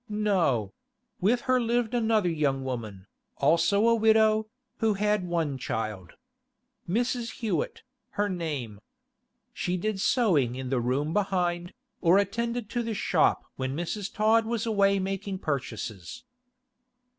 No; with her lived another young woman, also a widow, who had one child. Mrs. Hewett, her name. She did sewing in the room behind, or attended to the shop when Mrs. Todd was away making purchases.